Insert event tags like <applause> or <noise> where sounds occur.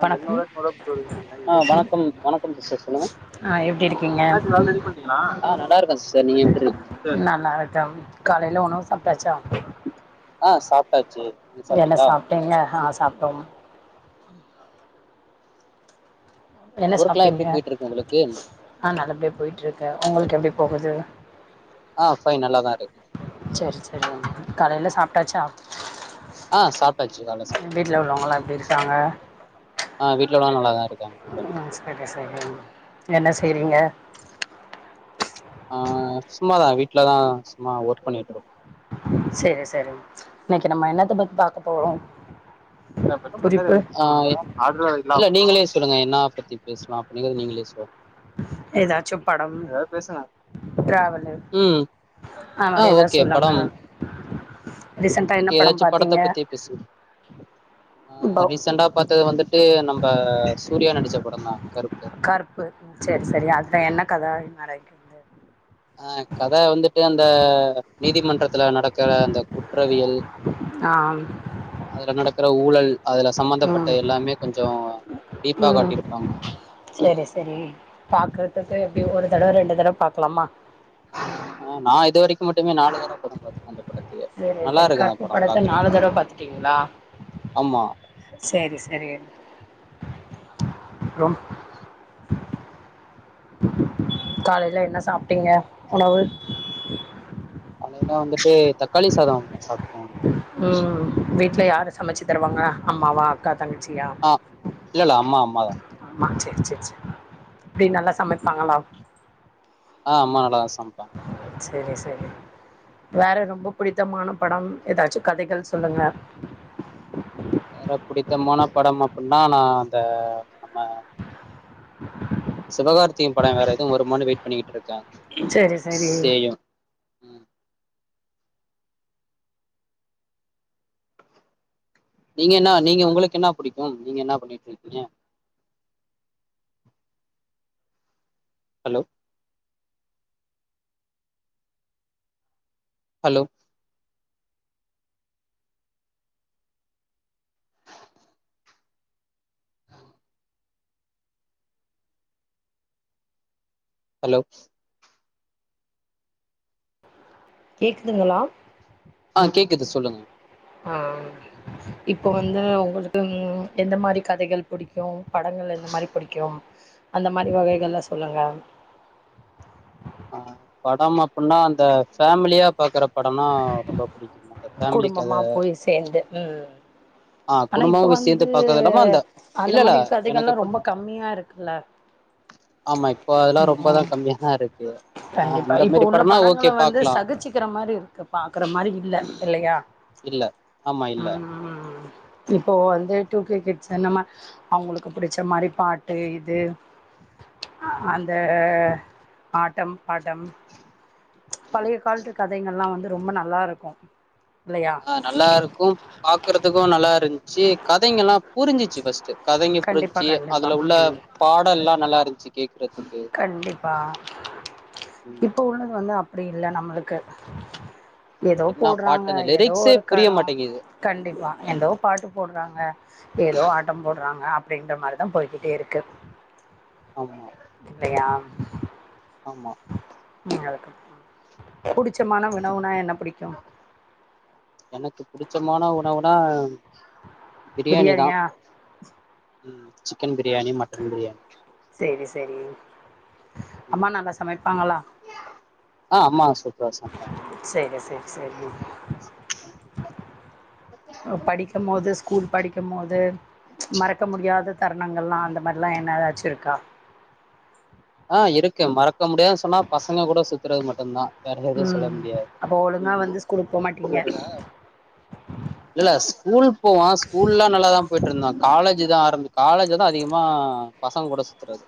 வணக்கம் அ வணக்கம் வணக்கம் சிஸ்டர் சொல்லுங்க ஆ எப்டி இருக்கீங்க ஆ நல்லா இருக்கா சிஸ்டர் நீங்க எப்டி நானா இருக்க ம் காலைல உணவு சப்ட்டாச்சா ஆ சாப்ட்டாச்சு என்ன சாப்ட்டீங்க ஆ சாப்டோம் என்ன ஒர்க்லா எப்படி சாப்ட்டீங்க போயிட்டு இருக்கு உங்களுக்கு ஆ நல்லபடிய போய்ட்டு இருக்கு உங்களுக்கு எப்டி போகுது ஆ ஃபைன் நல்லா தா இருக்கு சேர் சேர் காலைல சாப்ட்டாச்சா ஆ சாப்பிட்டாச்சு கால்ல வீட்ல உள்ளவங்கல்லா எப்டி இருக்காங்க ஆ வீ்ட்ல உள்ளவங்க நல்லாதா இருக்காங்க சொல்ங் ம் செரி செரிங் என்ன செய்றீங்க ஆ சும்மாதா வீட்ல தா சும்மா ஒர்க் பண்ணிட்டு இரு செரி செரிங் இன்னைக்கு நம்ம என்னத்த பத்தி பாக்க போறோ ஆ இல்ல நீங்களே சொல்லுங்க என்னா பத்தி பேஸ்லா அப்டிங்கறது நீங்களே சொல்லுங்க ஏதாச்சும் படம் ஏதாவது பேசுங்க ட்ராவலு ம் ஆ வேற எதாவது ஓகே சொல்லுங்க படம் ரீசெண்டா என்ன ஓகே படம் ஏதாச்சும் படத்த பாத்தீங்க பத்தி பேசுங் போ ரீசன்ட்டா பாத்தது வந்துட்டு நம்ம சூர்யா நடிச்ச படம் தா கருப்பு கருப்பு சேர் செரி அதுல ஆமா என்ன கத நரேக்கு அ கத வந்துட்டு அந்த நீதிமன்றத்துல நடக்கற அந்த குற்றவியல் ஆ அதுல நடக்கற ஊழல் அதுல சம்பந்தப்பட்ட ம் எல்லாமே கொஞ்சோ டீப்பா காட்டிருப்பாங்க செரி செரி பாக்குறதுக்கு எப்டி ஒரு தடவ ரெண்டு தடவ பாக்லாமா ஆ நா இது வரைக்கு மட்டுமே நாலு தடவ படம் பார்த்து <inaudible> செரி செரி கத்தி படத்த நாலு தடவ பாத்துட்டீங்ளா ஆமா செரி செரி ப்றோம் காலைல என்ன சாப்ட்டீங்க உணவு காலைல வந்துட்டு தக்காளி சாதம் சாப்ட்டோ ம் வீட்ல யாரு சமச்சு தருவாங்க அம்மாவா அக்கா தங்கச்சியா அ இல்ல இல்ல அம்மா அம்மாதா அம்மா சேர் சேர் சேர் எப்டி நல்லா சமப்பாங்ளா ஆ அம்மா நல்லாதா சமப்பாங்க செரி செரி வேற ரொம்ப புடித்தமான படம் ஏதாச்சு கதைகள் சொல்லுங்க வேற புடித்தமான படம் அப்டினா நா அந்த நம்ம சிவகார்த்திகேயன் படம் வேற எதுவு வருமானு வெயிட் பண்ணிட் இருக்க செரி செரி ம். நீங்க என்ன நீங்க உங்களுக்கு என்ன புடிக்கு நீங்க என்ன பண்ணிட்டு இருக்கீங்க ஹலோ ஹலோ ஹலோ கேக்குதுங்ளா ஆ கேக்குது சொல்லுங்க ம் இப்ப வந்து உங்களுக்கு எந்த மாரி கதைகள் புடிக்கு படங்கள் எந்த மாரி புடிக்கு அந்த மாரி வகைகள்லா சொல்லுங்க அ படம் அப்டின்னா அந்த ஃபேமிலியா பாக்குற படம்னா ரொம்ப புடிக்கு அந்த ஃபேமிலி கத குடும்பமா போய் சேந்து ம் ஆ ஆனா குடும்ப இப்ப விஷயத்த வந்து பாக்கறது இல்லாம அந்த அந்த இல்லல்ல மாரி எனக்கு கதைகள்லா ரொம்ப எப்பினா கம்மியா இருக்குல்ல ஆமா இப்ப அதெல்லா ரொம்பதா ம் கம்மியா தா இருக்கு ஆ, கண்டிப்பா அந்த இப்ப மாதிரி உள்ள படம்னா படங்கள ஓகே வந்து பார்க்கலாம் சகுச்சுக்கற மாரி இருக்கு பாக்குற மாரி இல்ல இல்லயா இல்ல ஆமா இல்ல ம் ம் ம் இப்போ வந்து டூ கே கிட்ஸ் என்னம்ம அவங்களுக்கு புடிச்ச மாரி பாட்டு இது அந்த ஆட்டம் பாட்டம் பழய காலத்து கதைகள்லா வந்து ரொம்ப நல்லாருக்கு இல்லயா நல்லாருக்கும் பாக்குறதுக்கு நல்லா இருஞ்சு கதைகள்லா புரிஞ்சிச்சு ஃபஸ்டு கதைங்க கண்டிப்பா புரிஞ்சி கண்டிப்பா அதுல உள்ள ம் பாடல்லா நல்லா இருந்துச்சு கேக்குறதுக்கு கண்டிப்பா ம் இப்போ உள்ளது வந்து அப் அப்டி இல்ல நம்மளுக்கு எதோ என்ன போட்றாங்க பாட்டு அந்த எதோ லிரிக்ஸே ஒரு புரிய கடோ மாட்டேங்குது கண்டிப்பா எதோ பாட்டு போட்றாங்க ஏதோ ஆட்டம் போடுறாங்க அப்டின்ற மாரிதா போய்கிட்டே இருக்கு ஆமா இல்லயா ஆமா புடிச்சமான உணவுனா என்ன புடிக்கு எனக்கு புடிச்சமான உணவுனா பிரியாணி தா பிரியாணியா சிக்கன் பிரியாணி மட்டன் பிரியாணி சேரி சேரி அம்மா நல்லா சமைப்பாங்களா ஆ அம்மா சூப்பரா சமைப்பாங்க சேரி சேரி சேரி படிக்கும்போது ஸ்கூல் படிக்கு போது மறக்க முடியாத தருணங்கள்லா அந்த மாரில்லா என்னதாச்சு இருக்கா ஆ இருக்கு மறக்க முடியாதுனு சொன்னா பசங்க கூட சுத்துறது மட்டுந்தா வேற எதாவது சொல்ல ம் முடியாது அப்போ ஒழுங்கா வந்து ஸ்கூலுக்கு போமாட்டீங்க இல்ல ஸ்கூல் போவோ ஸ்கூல்லா நல்லாதா போய்ட்டு இருந்தோ காலே ஜ் தா ஆரம்ப காலேஜ்ல தா அதிகமா பசங்க கூட சுத்துறது